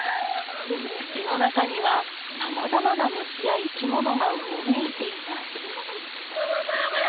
土の中にはさまざまな虫や生き物がうごめいていますあやばいやばいやばい！